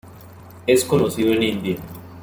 Es conocido en India.